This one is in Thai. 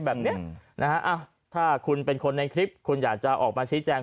แบบนี้นะฮะถ้าคุณเป็นคนในคลิปคุณอยากจะออกมาชี้แจง